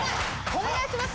お願いします。